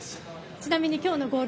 ちなみにきょうのゴール